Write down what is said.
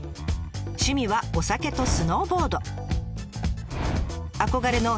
趣味はお酒とスノーボード。